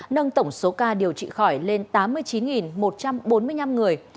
nâng tổng số ca điều trị khỏi lên tám mươi chín một trăm bốn mươi năm người